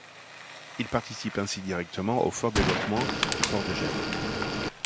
Il participe ainsi directement au fort développement du port de Gênes.